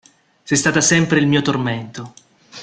Sei stata sempre il mio tormento.